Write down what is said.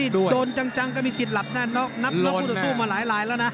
โดนจังก็มีสิทธิ์หลับนับผู้ตัดสู้มาหลายแล้วนะ